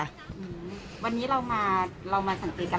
อืมวันนี้เรามาเรามาสังเกตกัน